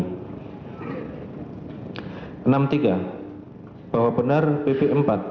bahwa benar pp empat